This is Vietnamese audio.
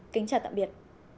kính chào tạm biệt